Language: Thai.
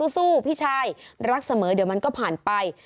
สู้พี่ชายรักเสมอเดี๋ยวมันก็ผ่านไป